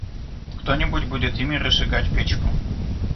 Кто-нибудь будет ими разжигать печку.